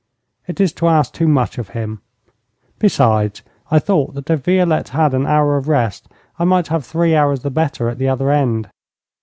It is to ask too much of him. Besides, I thought that if Violette had an hour of rest I might have three hours the better at the other end.